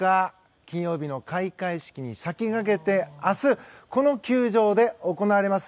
金曜日の開会式に先駆けて明日、この球場で行われます